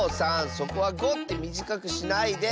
そこは「ご」ってみじかくしないで。